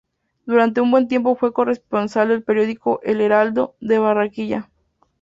Durante un buen tiempo fue corresponsal del periódico El Heraldo, de Barranquilla.